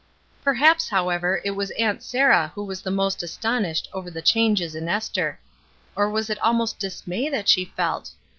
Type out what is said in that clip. Perhaps, however, it was Aunt Sarah who was HOUSEHOLD QUESTIONINGS 297 the most astonished over the changes in Esther. Or was it almost dismay that she felt?